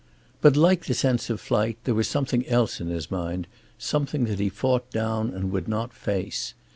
But, like the sense of flight, there was something else in his mind, something that he fought down and would not face.